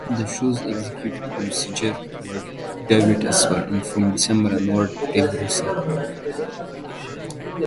The show's executive producers were David Asper, and, from December onward, Dave Rosen.